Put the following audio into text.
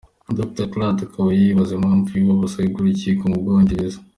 Dr Clark akaba yibaza impamvu y’ubu busabe bw’urukiko mu Bwongereza.